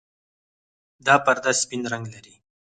دا پرده سپین رنګ لري.